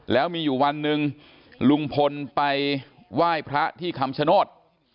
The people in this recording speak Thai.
แล้วมีอยู่วันหนึ่งลุงพลไปไหว้พระที่คำชโนธ